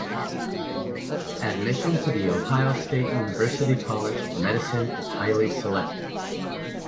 Admission to The Ohio State University College of Medicine is highly selective.